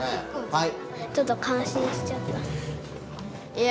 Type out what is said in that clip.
はい！